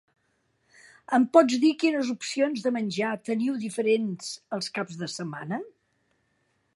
Em pots dir quines opcions de menjar teniu diferents els cap de setmana?